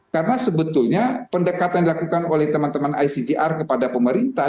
karena sebetulnya pendekatan dilakukan oleh teman teman icjr kepada pemerintah